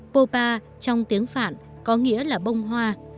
popa trong tiếng phạn có nghĩa là bông hoa